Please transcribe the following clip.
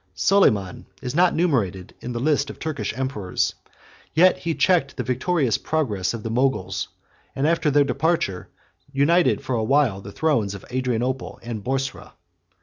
3. Soliman is not numbered in the list of the Turkish emperors: yet he checked the victorious progress of the Moguls; and after their departure, united for a while the thrones of Adrianople and Boursa.